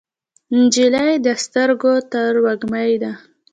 نجلۍ د سترګو تروږمۍ ده.